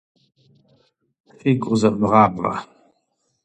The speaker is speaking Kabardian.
Фигу къызэвмыгъабгъэ.